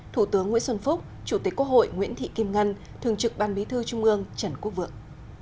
thủ tướng nguyễn xuân phúc chủ tịch quốc hội nguyễn thị kim ngân thường trực ban bí thư trung ương trần quốc vượng